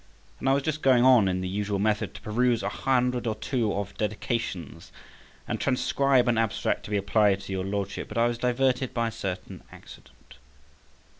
And I was just going on in the usual method to peruse a hundred or two of dedications, and transcribe an abstract to be applied to your Lordship, but I was diverted by a certain accident.